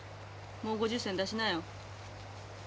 もう５０銭出しなよ。